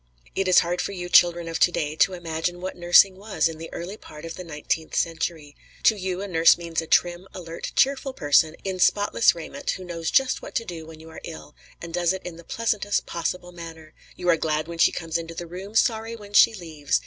It is hard for you children of to day to imagine what nursing was in the early part of the nineteenth century. To you a nurse means a trim, alert, cheerful person in spotless raiment, who knows just what to do when you are ill, and does it in the pleasantest possible manner; you are glad when she comes into the room, sorry when she leaves.